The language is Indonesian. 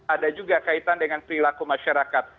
ada juga kaitan dengan perilaku masyarakat